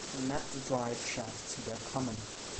Snapped drive shafts were common.